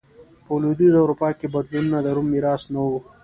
په لوېدیځه اروپا کې بدلونونه د روم میراث نه و.